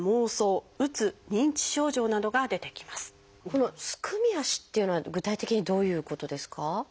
この「すくみ足」っていうのは具体的にどういうことですか？